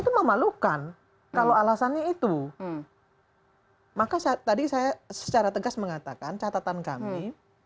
itu memalukan kalau alasannya itu maka tadi saya secara tegas mengatakan catatan kami